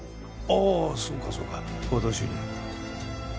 ああそうかそうか私に？